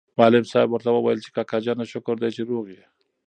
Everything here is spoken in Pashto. معلم صاحب ورته وویل چې کاکا جانه شکر دی چې روغ یې.